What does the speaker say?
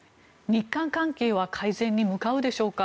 日韓関係は改善に向かうでしょうか。